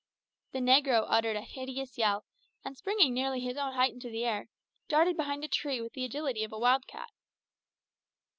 The negro uttered a hideous yell, and springing nearly his own height into the air, darted behind a tree with the agility of a wild cat.